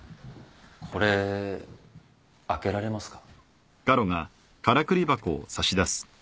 これ開けられますか？